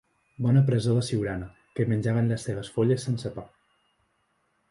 Bona presó de Siurana, que hi menjaven les cebes folles sense pa.